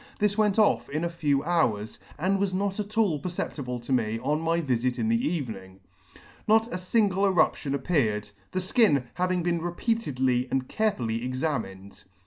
This went off in a few hours, and was not at all perceptible to me on my vifit in the evenings Not a fingle eruption appeared, the fkin having been repeatedly and carefully examined.